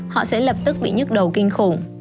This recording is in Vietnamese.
họ sẽ lập tức bị nhức đầu kinh khủng